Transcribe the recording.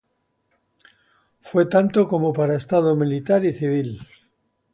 Fue tanto como para estado militar y civil.